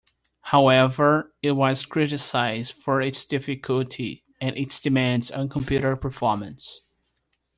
However, it was criticized for its difficulty and its demands on computer performance.